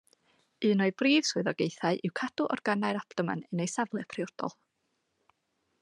Un o'i brif swyddogaethau yw cadw organau'r abdomen yn eu safle priodol.